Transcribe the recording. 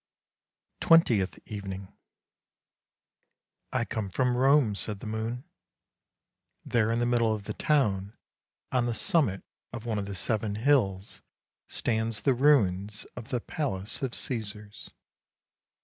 TWENTIETH EVENING " I come from Rome," said the moon. " There in the middle of the town, on the summit of one of the seven hills, stands the ruins of the palace of Caesars.